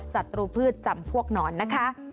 ศัตรูพืชจำพวกหนอนนะคะ